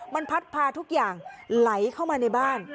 มันพัดพาทุกอย่างไหลเข้ามาในบ้าน